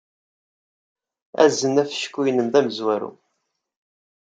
Azen afecku-nnem d amezwaru.